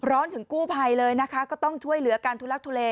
ถึงกู้ภัยเลยนะคะก็ต้องช่วยเหลือการทุลักทุเล